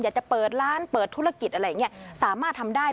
อยากจะเปิดร้านเปิดธุรกิจอะไรอย่างนี้สามารถทำได้